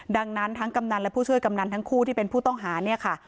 ดังนั้นทั้งกำนันและผู้ช่วยกำนันทั้งคู่ที่เป็นผู้ต้องหาเนี่ยค่ะ